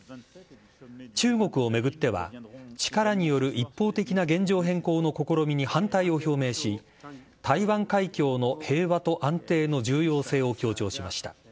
中国を巡っては、力による一方的な現状変更の試みに反対を表明し、台湾海峡の平和と安定の重要性を強調しました。